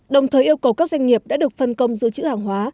đồng thời yêu cầu các doanh nghiệp đã được phân công dự trữ hàng hóa